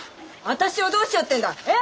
私をどうしようってんだえ！？